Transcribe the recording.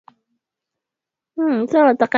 Wanyama waliokufa kwa kimeta damu yao haigandi